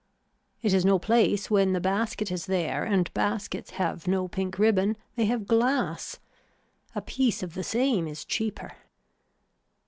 It is no place when the basket is there and baskets have no pink ribbon, they have glass. A piece of the same is cheaper.